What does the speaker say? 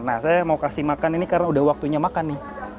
nah saya mau kasih makan ini karena udah waktunya makan nih